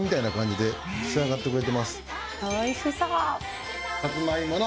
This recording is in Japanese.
おいしそう。